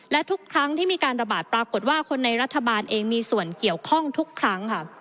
และทุกครั้งที่มีการระบาดปรากฏว่าคนในรัฐบาลเองมีส่วนเกี่ยวข้องทุกครั้งค่ะ